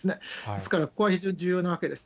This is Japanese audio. ですから、ここは非常に重要なわけです。